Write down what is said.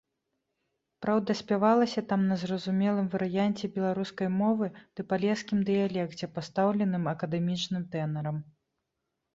Праўда, спявалася там на зразумелым варыянце беларускай мовы ды палескім дыялекце пастаўленым акадэмічным тэнарам.